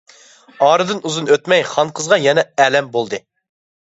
ئارىدىن ئۇزۇن ئۆتمەي خانقىزغا يەنە ئەلەم بولدى.